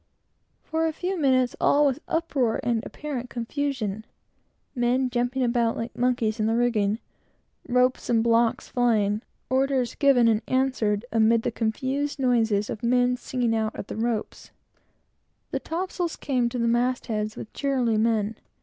For a few minutes, all was uproar and apparent confusion: men flying about like monkeys in the rigging; ropes and blocks flying; orders given and answered, and the confused noises of men singing out at the ropes. The top sails came to the mast heads with "Cheerily, men!"